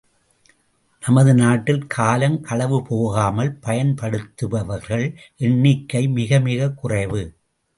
நமது நாட்டில் காலம் களவு போகாமல் பயன்படுத்துபவர்கள் எண்ணிக்கை மிகமிகக் குறைவு.